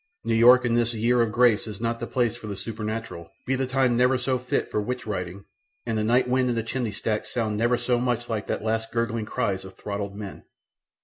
New York in this year of grace is not the place for the supernatural be the time never so fit for witch riding and the night wind in the chimney stacks sound never so much like the last gurgling cries of throttled men.